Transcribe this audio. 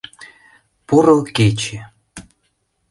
Поро кече!